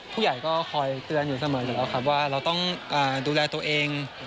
ผู้ใหญ่ก็คอยเตือนอยู่เสมออยู่แล้วครับว่าเราต้องดูแลตัวเอง